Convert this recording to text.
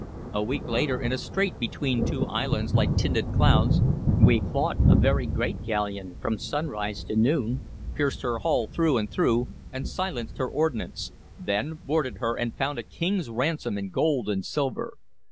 A week later, in a strait between two islands like tinted clouds, we fought a very great galleon from sunrise to noon, pierced her hull through and through and silenced her ordnance, then boarded her and found a king's ransom in gold and silver.